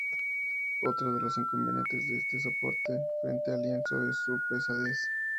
Otro de los inconvenientes de este soporte, frente al lienzo, es su pesadez.